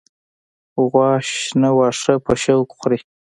غوا شنه واخه په شوق خوری